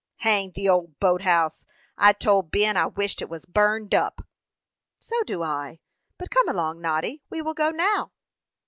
"Hang the old boat house! I told Ben I wished it was burned up." "So do I; but come along, Noddy. We will go now."